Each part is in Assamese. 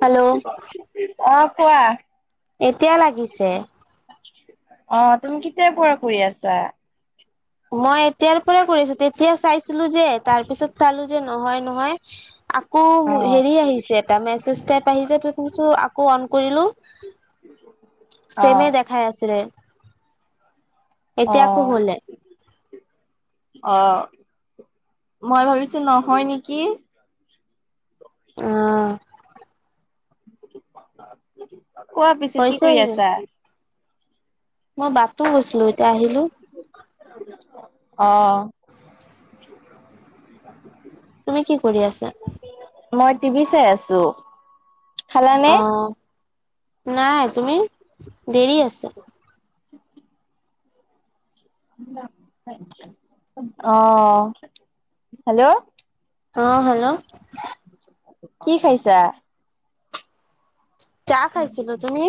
হেল্ল' অ কোৱা এতিয়া লাগিছে অ তুমি কেতিয়াৰ পৰা কৰি আছা মই এতিয়াৰ পৰা কৰিছো তেতিয়া চাইছিলো যে তাৰ পিছত চালো যে নহয় নহয় শ অ আকৌ হেৰি আহিছে এটা মেছেজ টাইপ আহিছে ভাবিচো আকৌ অন কৰিলো চেমে দেখাই আছিলে অ এতিয়া আকৌ গলে অ মই ভাবিছো নহয় নেকি অহ। কোৱা পিছে কি হৈছে কৰি আছা মই বাটটো গৈছিলো এতিয়া আহিলো অ তুমি কি কৰি আছা চো খালা নে অহ নাই তুমি দেৰি আছে আহ হেল্ল' অ হেল্ল' কি খাইছা? চাহ খাইছিলো। তুমি?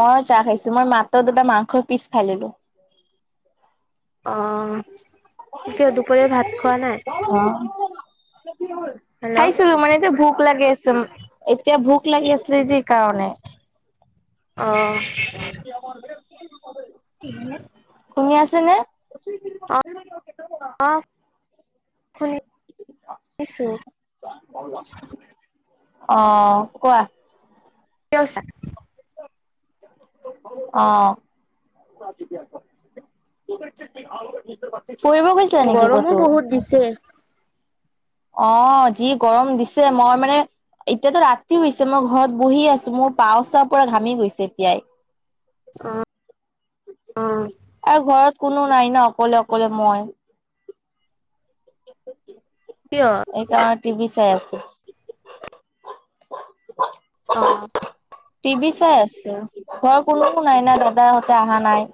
মইয়ো চাহ খাইছোঁ। মই মাত্ৰ দুটা মাংসৰ পিচ খাইললো। অ কিয় দুপৰীয়া ভাত খোৱা নাই? কি হ'ল? হেল্ল' খাইছিলো মানে এতিয়া ভোক লাগেছ। তম এতিয়া ভোক লাগি আছিলে যে সেকাৰণে। অ। [unintelligible] তুমি আছেনে? [unintelligible] অফ। কিছু অ কোৱা [unintelligible] [unintelligible] অ [unintelligible] ফুৰিব গৈছিলা নেকি গৰমো কতো? বহুত দিছে। অ যি গৰম দিছে মই মানে এতিয়াতো ৰাতি হৈছে মই ঘৰত বহি আছো মোৰ পাও চাও পুৰা ঘামি গৈছে এতিয়াই। অ। আও ঘৰত কোনো নাই ন অকলে অকলে মই। কিয়? এইকাৰ টিভি চাই আছো। অ। টিভি চাই আছো ঘৰ কোনো নাই না দাদাহতে অহা নাই।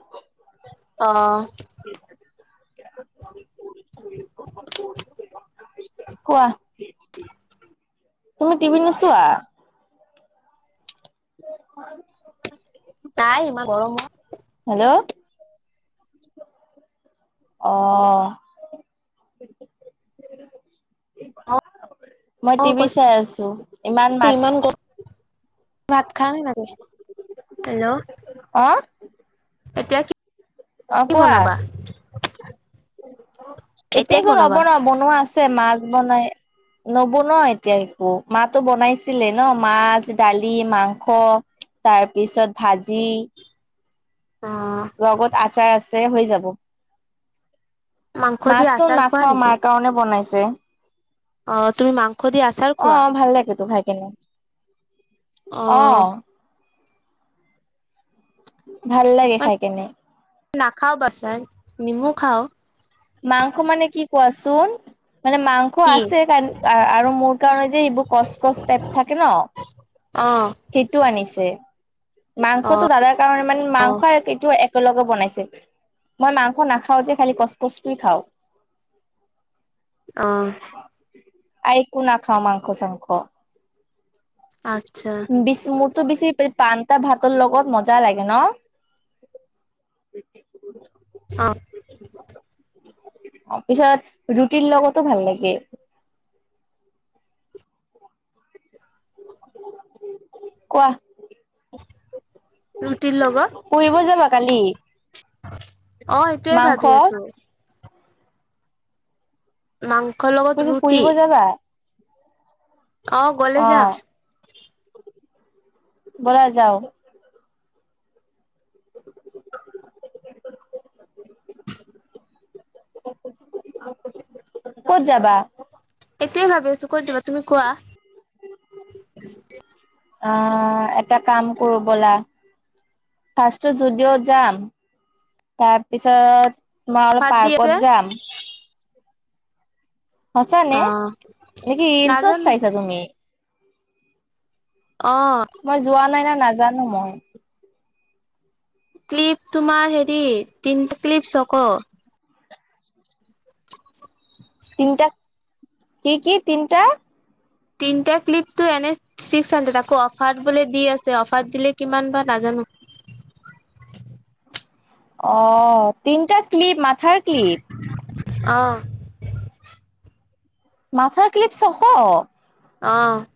অ', [unintelligible] [unintelligible] কোৱা? তুমি টিবি নোচোৱা? [unintelligible] তাই ইমান গৰমত হেল্ল' অ', অ', মই অ', টিভি কৈছে চাই আছো ইমান মাত ভাত খা নে নাকে হেল্ল', অ', এতিয়া কি অ' [unintelligible] কি বনাবা? কোৱা। [unintelligible] এতিয়া একো নবনাও বনোৱা আছে মাছ বনাই নবনাও এতিয়া একো মাতো বনাইছিলে ন' মাছ, দালি, মাংস তাৰ পিছত ভাজি অ', লগত আচাৰ আছে হৈ যাব। মাংস দি মাছটো আচাৰ খোৱা নাখাওঁ নেকি? মাৰ কাৰণে বনাইছে তুমি মাংস দি আচাৰ অ, খোৱা? ভাল লাগে তো খাই কেনে। অ', ভাল লাগে মই খাই কেনে। নাখাওঁ বাচান নিমু খাওঁ। মাংস মানে কি কোৱাচোন মানে মাংস কি? আছে কাৰণ আৰু মোৰ কাৰণে যে এইবোৰ কচকচ টাইপ থাকে ন' [unintelligible] সেইটো আনিছে, মাংসটো অ', দাদাৰ কাৰণে মানে মাংস এইটো এক একেলগে বনাইছে, মই মাংস নাখাও যে খালি কচ কচটোৱে খাওঁ। অ', একো নখাও মাংস চাংখ। আচ্ছা বিছ মোৰতো বেছি পান্তা ভাতৰ লগত মজা লাগে ন? অ'। অ' পিছত ৰুটিৰ লগতো ভাল লাগে। কোৱা। ৰুটিৰ লগত? পঢ়িব যাবা কালি? অ', সেইটোৱে মাংস ভাবি আছো। মাংসৰ লগত কৈছো ৰুটি? ফুৰিব যাবা? অ', গলে যাম। বলা যাওঁ। ক'ত যাবা, সেইটোৱে ভাবি আছো। ক'ত যাবা তুমি কোৱা। অ', এটা কাম কৰোঁ বলা ফাৰ্ষ্টটো জুদিঅত যাম তাৰপিছত তোমাৰ আৰু অফাৰ দি আছে পাৰ্কত যাম সঁচা নে, অ নেকি ক'ত নাজানো চাইছা তুমি? অ মই যোৱা নাই না নাজানো মই। ক্লিপ তোমাৰ হেৰি তিনিটা ক্লিপ‌ ছয়শ তিনিটা কি কি তিনিটা তিনিটা ক্লিপটো এনে ছিক্স হাড্ৰেড আকৌ অফাৰ বোলে দি আছে অফাৰ দিলে কিমান বা নাজানো। [inaudible] অ', তিনিটা ক্লিপ মাথাৰ ক্লিপ অ', মাথাৰ ক্লিপ ছশ অ',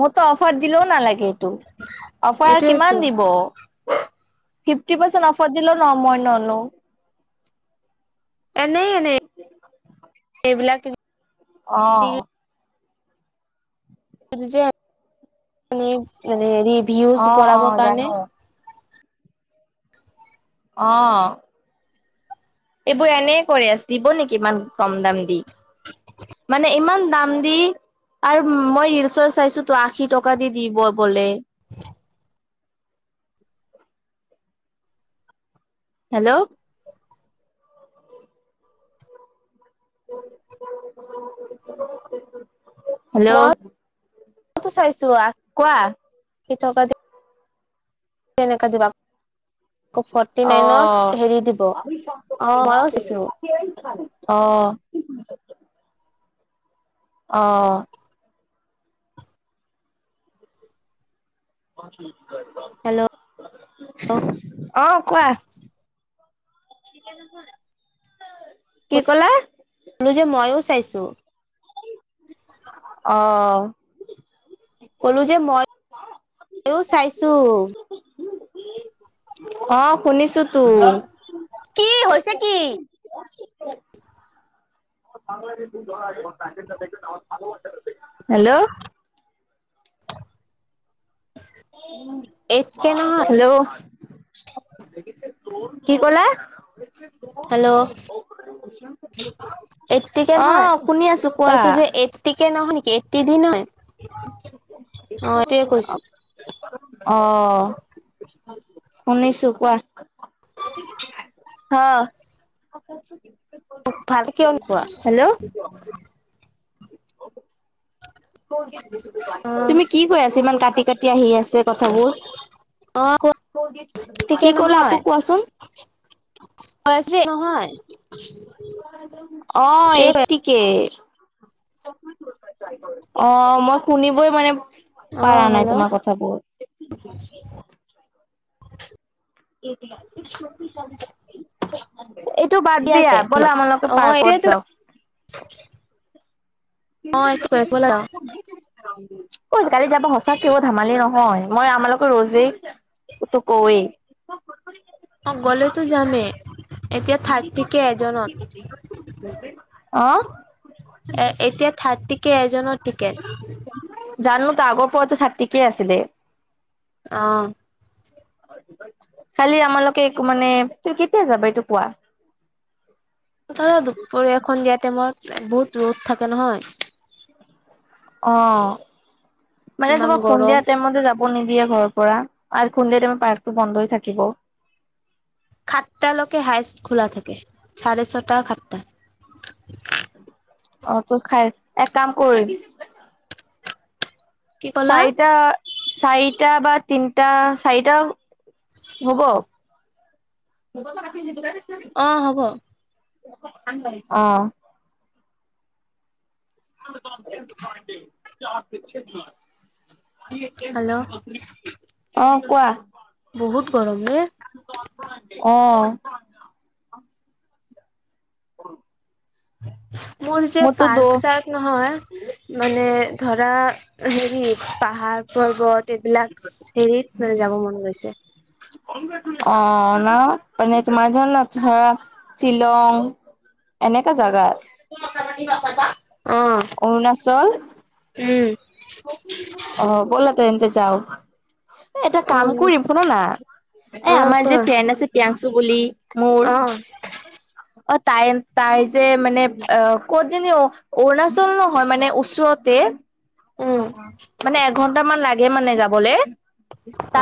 মোৰতো অফাৰ দিলেও নালাগে এইটো অফাৰ এইটোয়েতো কিমান দিব ফিফটি পাৰ্চেণ্ট অফাৰ দিলো ন মই নলও। এনেই এনেই এইবিলাক অ', [unintelligible] মানে হেৰি ভিউজ অ' অ' পঢ়াবৰ জানো। কাৰণে অ', এইবোৰ এনে কৰি আছ দিব নেকি ইমান কম দাম দি। মানে ইমান দাম দি আৰু মই ৰিলচত চাইছো তো আশী টকা দি দিব বোলে। হেল্ল'। হেল্ল'। মইটো চাইছো আহ। কোৱা? কি থকা দি তেনেকা দিবা। অ', অ মইও চাইছো [unintelligible] অ', অ', হেল্ল' অ', কোৱা। কি কলা বোলো যে ময়ো চাইছো। অ', কলো যে মই ময়ো চাইছো। অ', শুনিছো তো। কি হৈছে কি? হেল্ল' এইট কে নহয় হেল্ল' কি ক'লা [unintelligible] এটিকে নহয় অ', শুনি আছো কোৱা, কৈছো যে এটিকে নহয় ন এটি দি নাই অ', সেইটোৱে কৈছো। অ', শুনিছো কোৱা অ ভালে কিয় হব হেল্ল'। অ তুমি কি কৈ আছা ইমান কাটি কাটি আহি আছে কথাবোৰ অ এইটটি কে কি কলা নহয় আকৌ কোৱাচোন কৈ আছো যে নহয় অ এতিকে অ মই শুনিবই মানে অ পাৰা নাই হেল্ল' তোমাৰ কথাবোৰ [unintelligible] এইটো বাদ কি দিয়া আছে বলা আমাৰ লগত পাৰ্কত যাওক থ অ একো ক [unintelligible] ক কালি যাবা সঁচাকে অ ধেমালি নহয় মই আমালোকৰ ৰজি তো কৱেই অ গলেতো যামে [unintelligible] এতিয়া থাৰ্টিকে এজনৰ টিকেট জানো তো আগৰ পৰাতো থাৰটিকে আছিলে আহ খালি আমালোকে মানে তোৰ কেতিয়া যাবা এইটো কোৱা [unintelligible] দুপৰীয়া এখন দিয়া টাইমত বহুত ৰ'দ থাকে নহয় অ মানে ইমান তোমাক গৰম সন্ধিয়া টাইমতে যাব নিদিয়ে ঘৰৰ পৰা সুধে টাইমত পাৰ্কটো বন্ধই থাকিব সাতালৈকে হাইছ খোলা থাকে চাৰে ছটা সাটটা অ তোৰ খাই এক কাম কৰিবি কি ক'লা চাৰিটা চাৰিটা বা তিনিটা চাৰিটা হব অ হ'ব অ হেল্ল' [unintelligible] অ কোৱা বহুত গৰম নে অ অ মোৰ যে পাৰ্ক চাৰ্ক নহয় মানে ধৰা হেৰিত পাহাৰ পৰ্বত এইবিলাক হেৰিত মানে যাব মন গৈছে অ ন মানে তোমাৰজন ধৰা শ্বিলং এনেকা জাগাত কথা পাতিবা কথা অৰুণাচল অ ব'লা তেন্তে এ যাওঁ কাম উম কৰিম শুন না এ অ অ আমাৰ যে ক ফ্ৰেণ্ড আছে পিয়াংচ চুবুলি মোৰ অ [inaudible] অ তাই তাই যে মানে অ ক'তজনী অ অৰুণাচল নহয় মানে ওচৰতে হয় উম মানে এঘন্টা মান লাগে মানে যাবলৈ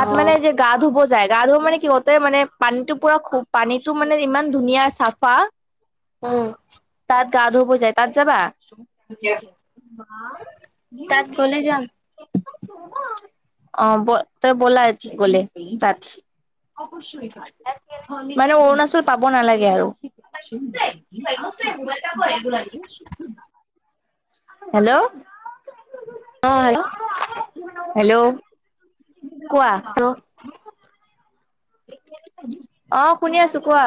অ মানে যে গা ধুব যায় গা ধু মানে কিহতে মানে পানীতটো পুৰা খুব পানীতটো মানে ইমান ধুনীয়া চাফা উম তাত গা ধুব যায় তাত যাবা তাত গলে যাম অ ব তই বলা গলে তাত। মানে অৰুণাচল পাব নালাগে আৰু। [inaudible] হেল্ল'। অহ হেল্ল'। হেল্ল' কোৱা। অঁ শুনি আছো কোৱা।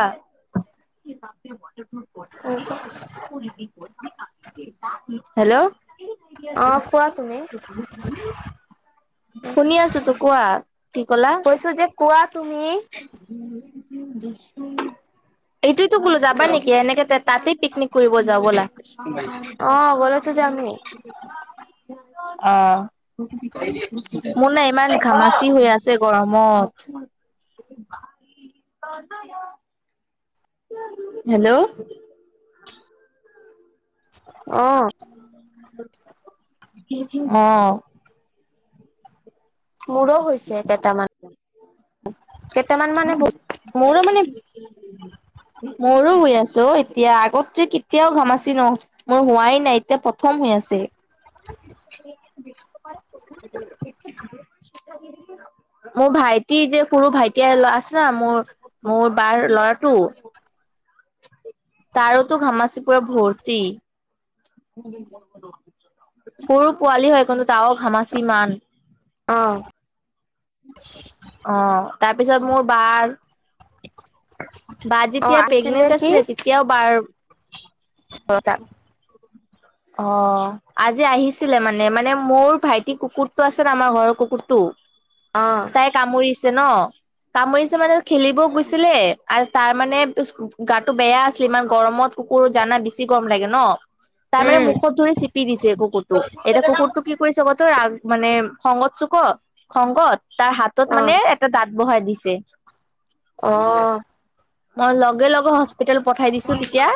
[inaudible] হেল্ল'। অহ কোৱা তুমি। শুনি আছোতো কোৱা, কি কলা? [inaudible] কৈছো যে কোৱা তুমি এইটোয়তো বোলো যাবা নেকি এনেকে তাতেই পিকনিক কৰিব যাওঁ বলা। অ [unintelligible] অ মোৰ নাই ইমান ঘামাচি হৈ আছে গৰমত। [unintelligible] হেল্ল' অহ অ মোৰো হৈছে কেইটামান। কেইটামান মানে বচ মোৰো এ মানে মোৰো হৈ আছে অ এতিয়া আগত যে কেতিয়াও ঘামাছি ন মোৰ হোৱাই নাই এতিয়া প্ৰথম হৈ আছে। [inaudible] মোৰ ভাইটি যে সৰু ভাইটি এতিয়া আছে না মোৰ মোৰ বাৰ ল'ৰাটো তাৰোতো ঘামাচিপুৰা ভৰ্তি। সৰু পোৱালি হয় কিন্তু তাৰও ঘামাচি ইমান। অ', অ তাৰপিছত মোৰ বাৰ বা অ' যেতিয়া আহিছিলে প্ৰেগনেন্ট কি আছিলে তেতিয়াওঁ বাৰ [inaudible] অ আজি আহিছিলে মানে মানে মোৰ ভাইটি কুকুৰটো আছে আমাৰ ঘৰৰ কুকুৰটো অ' তাই কামুৰিছে ন কামুৰিছে মানে ত খেলিব গৈছিলে। আৰু তাৰ মানে গাতটো বেয়া আছিলে ইমান গৰমত কুকুৰ জানা বেছি গৰম লাগে ন। তাৰমানানে উম, মুখত ধৰি চিপি দিছে কুকুৰটোক এতিয়া কুকুৰটোক কি কৰিছে ক তই মানে খঙগত চুক খঙগত তাৰ হাতত অ', মানে এটা দাঁত বহাই দিছ ছে। অহ। মই লগে লগে হস্পিতেল পঠাই দিছো তেতিয়া।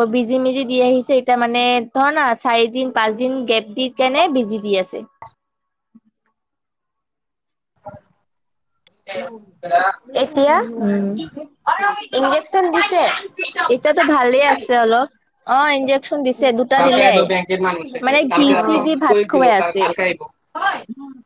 অ বিজি মিজি দি আহিছে এতিয়া মানে ধৰ না চাৰিদিন পাঁচ দিন গেপ দি কেনে বিজি দি আছে। [inaudible] [unintelligible] [unintelligible] এতিয়া উম [unintelligible] ইঞ্জেকচন দিছে। এতিয়াতো ভালে আছে অলপ অ ইনজেকচন দিছে দুটা দিলে। বেংকের মানুষ মানে ঘি কালকে চি দি ভাত দিলো খুৱাই আছে। কালকে আহিব।